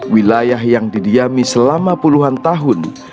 wilayah yang didiami selama puluhan tahun